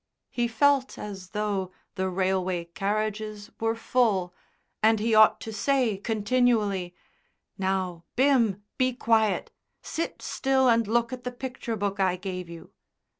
He felt as though, the railway carriages were full and he ought to say continually, "Now, Bim, be quiet. Sit still and look at the picture book I gave you.